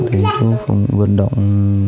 thì chú phùng vận động